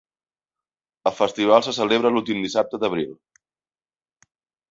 El festival se celebra l"últim dissabte d"abril.